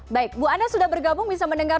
baik bu anda sudah bergabung bisa mendengar